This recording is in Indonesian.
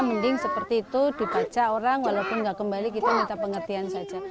mending seperti itu dibaca orang walaupun nggak kembali kita minta pengertian saja